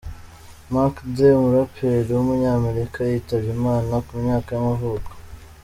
Mac Dre, umuraperi w’umunyamerika yitabye Imana ku myaka y’amavuko.